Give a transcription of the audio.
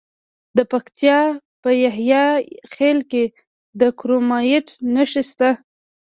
د پکتیکا په یحیی خیل کې د کرومایټ نښې شته.